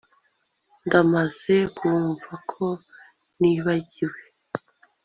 Ndamaze kumva ko nibagiwe